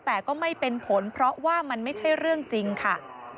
แต่ก็ไม่เป็นผลเพราะว่ามันไม่ใช่เรื่องจริงค่ะ